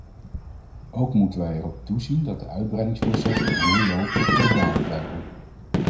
Ook moeten wij erop toezien dat de uitbreidingsprocessen die nu lopen, geloofwaardig blijven.